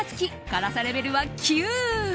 辛さレベルは９。